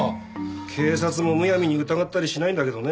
警察もむやみに疑ったりしないんだけどね。